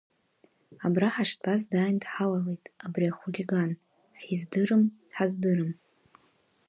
Абра ҳаштәаз дааин дҳалалеит, абри ахулиган, ҳиздырам, дҳаздырам!